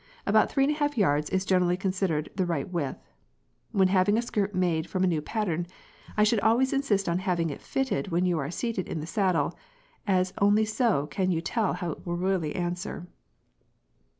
About three and a half yards is generally considered the right width. When having a skirt made from a new pattern, I should always insist on having it fitted when you are seated in the saddle, as only so can you tell how it will really answer.